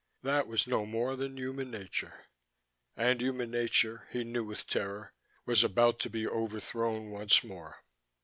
That was no more than human nature. And human nature, he knew with terror, was about to be overthrown once more.